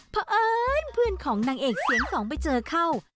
เพราะเอิญเพื่อนของนางเอกเสียงสองไปเจอเข้า